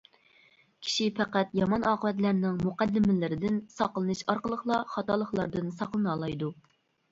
كىشى پەقەت يامان ئاقىۋەتلەرنىڭ مۇقەددىمىلىرىدىن ساقلىنىش ئارقىلىقلا خاتالىقلاردىن ساقلىنالايدۇ.